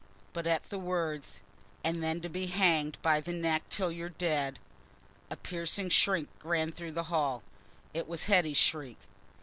But at the words "and then to be hanged by the neck till you be dead," a piercing shriek rang through the hall. It was Hetty's shriek.